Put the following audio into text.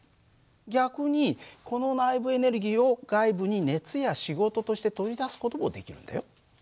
逆にこの内部エネルギーを外部に熱や仕事として取り出す事もできるんだよ。